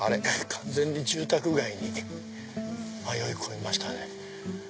完全に住宅街に迷い込みましたね。